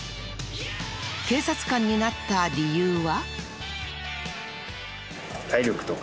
警察官になった理由は？